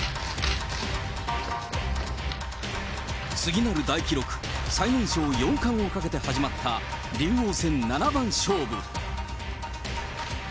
次なる大記録、最年少四冠をかけて始まった竜王戦七番勝負。